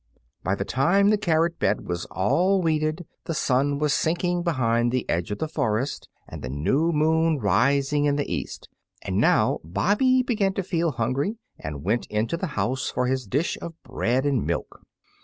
By the time the carrot bed was all weeded, the sun was sinking behind the edge of the forest and the new moon rising in the east, and now Bobby began to feel hungry and went into the house for his dish of bread and milk.